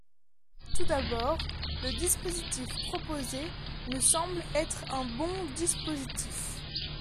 Tout d’abord, le dispositif proposé me semble être un bon dispositif.